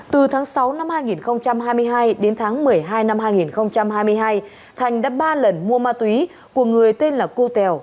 từ tháng sáu năm hai nghìn hai mươi hai đến tháng một mươi hai năm hai nghìn hai mươi hai thành đã ba lần mua ma túy của người tên là cô tèo